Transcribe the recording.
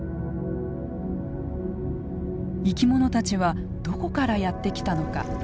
生き物たちはどこからやって来たのか。